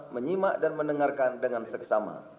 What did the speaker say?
menyimak dan mendengarkan dengan seksama